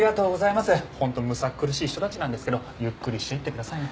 本当むさくるしい人たちなんですけどゆっくりしていってくださいね。